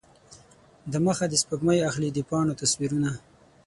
دمخه د سپوږمۍ اخلي د پاڼو تصویرونه